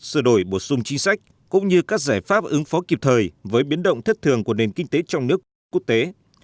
sửa đổi bổ sung chính sách cũng như các giải pháp ứng phó kịp thời với biến động thất thường của nền kinh tế trong nước và quốc tế